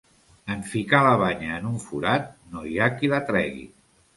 En ficar la banya en un forat, no hi ha qui la tregui.